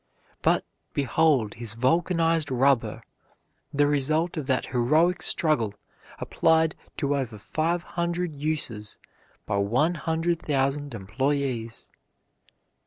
But, behold his vulcanized rubber; the result of that heroic struggle, applied to over five hundred uses by 100,000 employees.